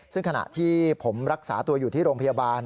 ซึ่งขณะที่ผมรักษาตัวอยู่ที่โรงพยาบาล